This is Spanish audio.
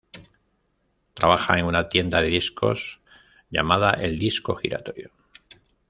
Trabaja en una tienda de discos llamada "El Disco Giratorio".